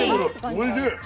おいしい。